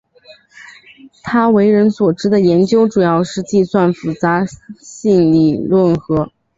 他为人所知的研究主要是计算复杂性理论和。